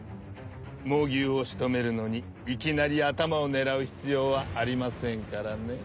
猛牛を仕留めるのにいきなり頭を狙う必要はありませんからねぇ。